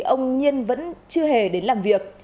ông nhiên vẫn chưa hề đến làm việc